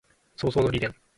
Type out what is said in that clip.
葬送のフリーレン